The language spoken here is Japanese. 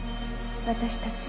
私たち。